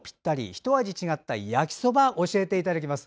ひと味違った焼きそばを教えていただきます。